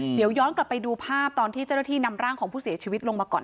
เดี๋ยวย้อนกลับไปดูภาพตอนที่เจ้าหน้าที่นำร่างของผู้เสียชีวิตลงมาก่อน